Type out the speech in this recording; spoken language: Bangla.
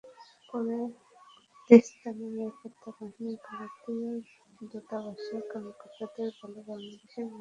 পরে কুর্দিস্তানের নিরাপত্তা বাহিনী ভারতীয় দূতাবাসের কর্মকর্তাদের বলে বাংলাদেশিদের বিমানবন্দরে নিয়ে যেতে।